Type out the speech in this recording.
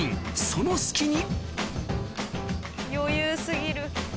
その隙に余裕過ぎる。